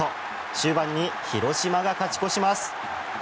終盤に広島が勝ち越します。